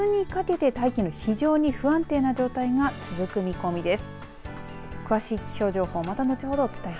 あすにかけて大気の非常に不安定な状態が続く見込みです。